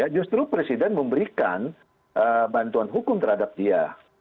justru presiden memberikan bantuan hukum terhadap dia